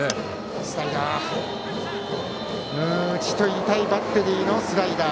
打ち取りたいバッテリーのスライダー。